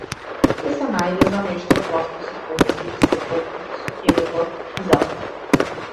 Ќе се најде за нешто, гласно си помислив, се покрив со ќебето и заспав.